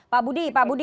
pak budi pak budi